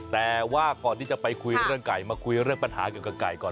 แต่ว่าก่อนที่จะไปคุยเรื่องไก่มาคุยเรื่องปัญหาเกี่ยวกับไก่ก่อน